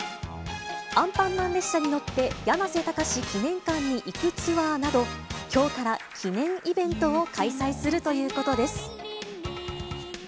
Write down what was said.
アンパンマン列車に乗ってやなせたかし記念館に行くツアーなど、きょうから記念イベントを開催するということです。